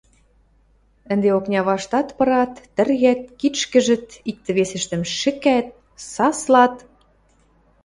Ӹнде окня ваштат пырат, тӹргӓт, кичкӹжӹт, иктӹ-весӹштӹм шӹкат, саслат.